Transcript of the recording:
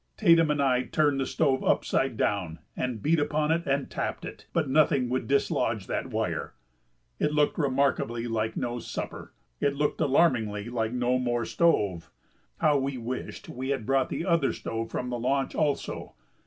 Tatum and I turned the stove upside down and beat upon it and tapped it, but nothing would dislodge that wire. It looked remarkably like no supper; it looked alarmingly like no more stove. How we wished we had brought the other stove from the launch, also!